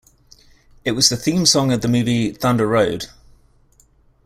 It was the theme song of the movie "Thunder Road".